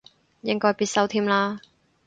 應該必修添啦